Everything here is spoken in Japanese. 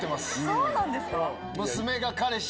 そうなんですか？